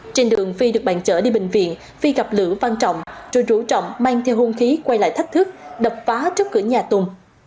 trên đường phi được bàn chở đi bệnh viện phi gặp lữ văn trọng rồi rủ trọng mang theo hôn khí quay lại thách thức đập phá trước cửa nhà tùng